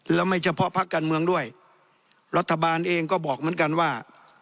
แล้วไม่เฉพาะพักการเมืองด้วยรัฐบาลเองก็บอกเหมือนกันว่า